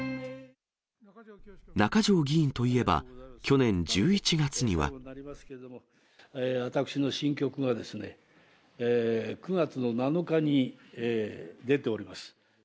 中条議員といえば、去年１１月には。私の新曲がですね、９月７日に出ております。